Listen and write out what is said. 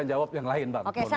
menjawab yang lain